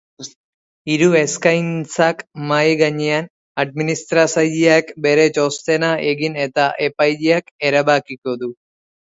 Hiru eskaintzak mahai gainean, administratzaileak bere txostena egin eta epaileak erabakiko du.